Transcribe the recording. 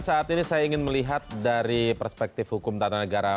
saat ini saya ingin melihat dari perspektif hukum tata negara